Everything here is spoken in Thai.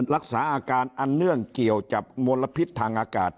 รักษาอาการอันเนื่องเกี่ยวกับมลพิษทางอากาศ